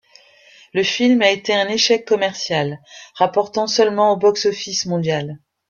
Le film a été un échec commercial, rapportant seulement au box-office mondial.